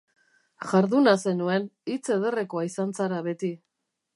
Jarduna zenuen, hitz ederrekoa izan zara beti.